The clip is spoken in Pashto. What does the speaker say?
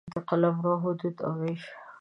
د قلمرو حدونه او وېش